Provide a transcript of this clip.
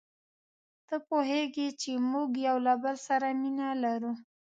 ته پوهیږې چي موږ یو له بل سره مینه لرو.